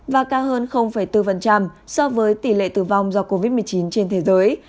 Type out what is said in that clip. và ca hơn bốn so với tỷ lệ tử vong do covid một mươi chín trên thế giới hai một